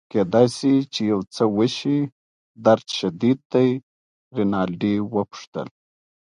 کیدای شي چي یو څه وشي، درد شدید دی؟ رینالډي وپوښتل.